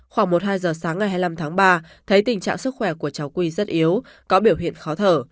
khoảng một hai giờ sáng ngày hai mươi năm tháng ba thấy tình trạng sức khỏe của cháu quy rất yếu có biểu hiện khó thở